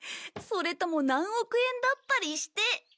それとも何億円だったりして。